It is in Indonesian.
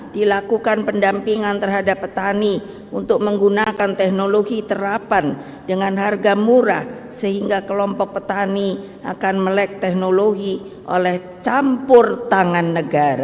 dilakukan pendampingan terhadap petani untuk menggunakan teknologi terapan dengan harga murah sehingga kelompok petani akan melek teknologi oleh campur tangan negara